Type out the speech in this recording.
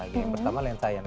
yang pertama adalah kamera